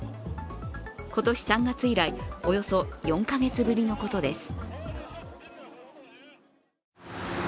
今年３月以来、およそ４カ月ぶりのことです。